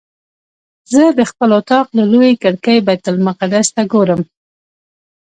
زه د خپل اطاق له لویې کړکۍ بیت المقدس ته ګورم.